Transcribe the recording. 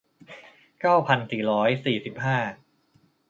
เก้าพันสี่ร้อยสี่สิบห้า